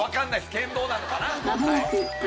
県道なのかな。